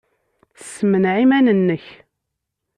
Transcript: Ssemneɛ iman-nnek!